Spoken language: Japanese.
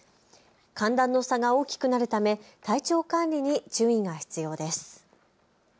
寒暖の差が大きくなるため体調管理に注意が必要です。